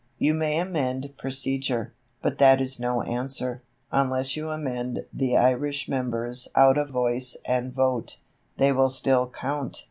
You may amend procedure, but that is no answer, unless you amend the Irish members out of voice and vote. They will still count.